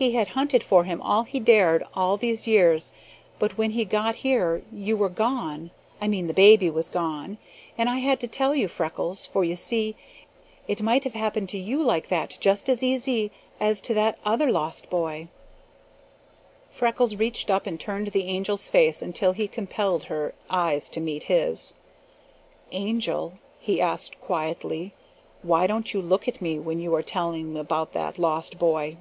He had hunted for him all he dared all these years, but when he got here you were gone I mean the baby was gone, and I had to tell you, Freckles, for you see, it might have happened to you like that just as easy as to that other lost boy." Freckles reached up and turned the Angel's face until he compelled her eyes to meet his. "Angel," he asked quietly, "why don't you look at me when you are telling about that lost boy?"